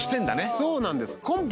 そうなんです。